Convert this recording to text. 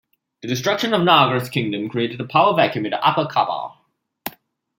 The destruction of Nagar's kingdom created a power vacuum in the Upper Khabur.